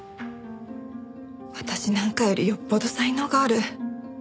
私なんかよりよっぽど才能がある。